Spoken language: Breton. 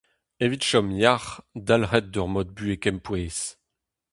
Evit chom yac'h, dalc'hit d'ur mod buhez kempouez.